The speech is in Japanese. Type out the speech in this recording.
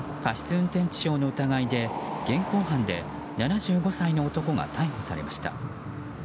運転致傷の疑いで現行犯で７５歳の男が逮捕されました。